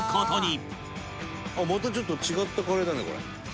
「またちょっと違ったカレーだねこれ」